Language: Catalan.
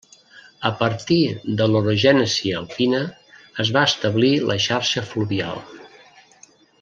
A partir de l'orogènesi alpina es va establir la xarxa fluvial.